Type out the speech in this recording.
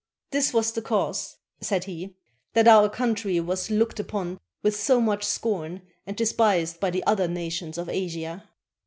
"This was the cause," said he, "that our country was looked upon with so much scorn, and despised by the other nations of Asia."